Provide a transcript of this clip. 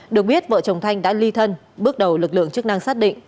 được biết vợ chồng thanh đã ly thân bước đầu lực lượng chức năng xác định